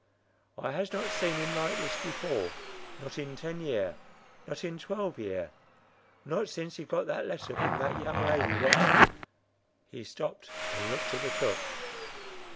"I has not see him like this before, not in ten year—not in twelve year. Not since he got that letter from that young lady what—." He stopped and looked at the cook.